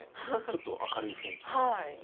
ちょっと明るい雰囲気に。